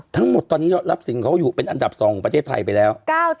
ทั้งหมดตอนนี้รับสินเขาอยู่เป็นอันดับ๒ของประเทศไทยไปแล้ว